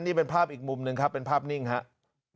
นี่เป็นภาพอีกมุมหนึ่งครับเป็นภาพนิ่งครับ